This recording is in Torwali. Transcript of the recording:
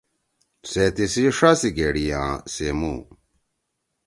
سے تسی ݜا سی گھیڑی آں سے مُو۔